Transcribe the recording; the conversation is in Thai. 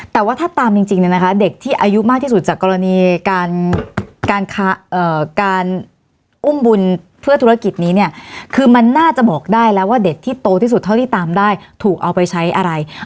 แต่ว่าถ้าตามจริงเนี่ยนะคะเด็กที่อายุมากที่สุดจากกรณีการอุ้มบุญเพื่อธุรกิจนี้เนี่ยคือมันน่าจะบอกได้แล้วว่าเด็กที่โตที่สุดเท่าที่ตามได้ถูกเอาไปใช้อะไร